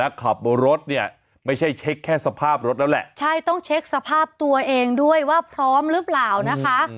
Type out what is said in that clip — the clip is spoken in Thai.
ขับรถเนี่ยไม่ใช่เช็คแค่สภาพรถแล้วแหละใช่ต้องเช็คสภาพตัวเองด้วยว่าพร้อมหรือเปล่านะคะ